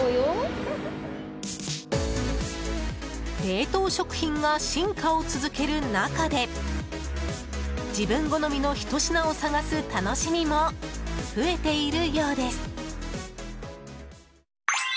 冷凍食品が進化を続ける中で自分好みのひと品を探す楽しみも増えているようです。